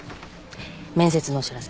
面接のお知らせ。